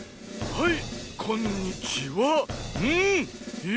はい！